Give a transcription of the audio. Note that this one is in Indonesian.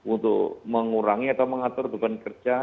untuk mengurangi atau mengatur beban kerja